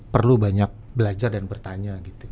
perlu banyak belajar dan bertanya gitu